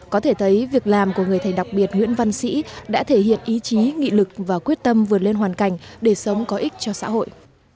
có thể thấy việc làm của người thầy đặc biệt nguyễn văn sĩ đã thể hiện ý chí nghị lực và quyết tâm vượt lên hoàn cảnh để sớm có ích cho xã hội